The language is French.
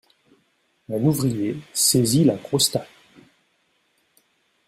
Un ouvrier saisit la grosse taille.